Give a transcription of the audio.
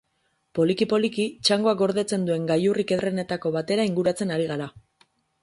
Poliki-poliki, txangoak gordetzen duen gailurrik ederrenetako batera inguratzen ari gara.